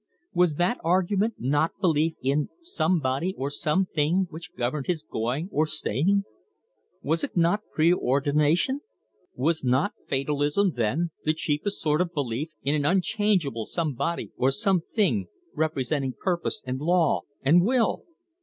Was that argument not belief in Somebody or Something which governed his going or staying? Was it not preordination? Was not fatalism, then, the cheapest sort of belief in an unchangeable Somebody or Something, representing purpose and law and will?